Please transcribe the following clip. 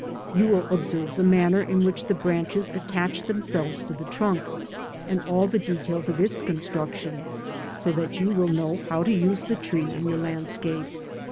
You will observe the manner in which the branches attach themselves to the trunk, and all the details of its construction, so that you will know how to use the tree in your landscape.